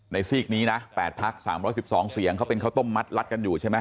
ซีกนี้นะ๘พัก๓๑๒เสียงเขาเป็นข้าวต้มมัดรัดกันอยู่ใช่ไหม